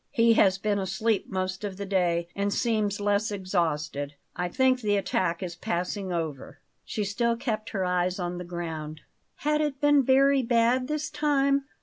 He has been asleep most of the day and seems less exhausted. I think the attack is passing over." She still kept her eyes on the ground. "Has it been very bad this time?"